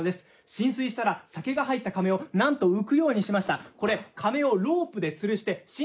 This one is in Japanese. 浸水したら、酒が入ったかめをなんと浮くようにしました。